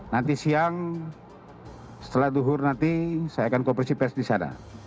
nanti siang setelah duhur nanti saya akan konversi pers di sana